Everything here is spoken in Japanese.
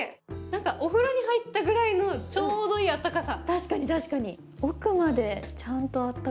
お風呂に入ったぐらいのちょうどいい温かさ。